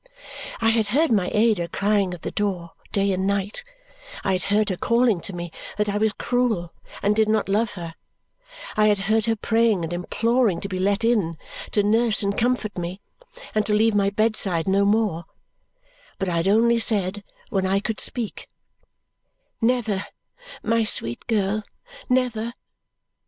I had heard my Ada crying at the door, day and night; I had heard her calling to me that I was cruel and did not love her; I had heard her praying and imploring to be let in to nurse and comfort me and to leave my bedside no more; but I had only said, when I could speak, "Never, my sweet girl, never!"